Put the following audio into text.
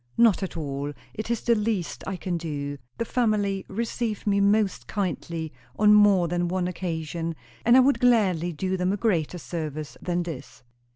"Not at all. It is the least I can do. The family received me most kindly on more than one occasion; and I would gladly do them a greater service than this."